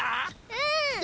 うん！